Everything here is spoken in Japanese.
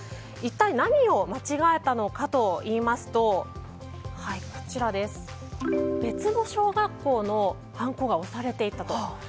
一体何を間違えたのかといいますと別の小学校のハンコが押されていたと。